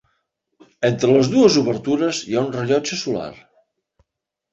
Entre les dues obertures, hi ha un rellotge solar.